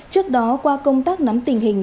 trước đó qua công tác nắm tình hình